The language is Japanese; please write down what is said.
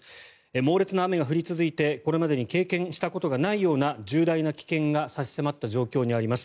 猛烈な雨が降り続いてこれまでに経験したことがないような重大な危険が差し迫った状況にあります。